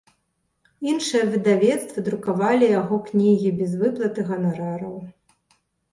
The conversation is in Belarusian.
Іншыя выдавецтвы друкавалі яго кнігі без выплаты ганарараў.